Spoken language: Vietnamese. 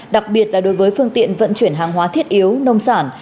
đặc biệt là đối với phương tiện vận chuyển hàng hóa thiết yếu nông sản